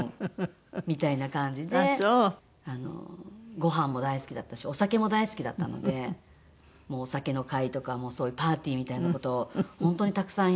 ごはんも大好きだったしお酒も大好きだったのでもうお酒の会とかそういうパーティーみたいな事を本当にたくさんやりましたね。